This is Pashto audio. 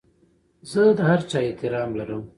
زه د هر چا احترام لرم.